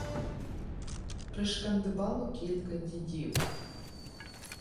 Пришкандибало кілька дідів.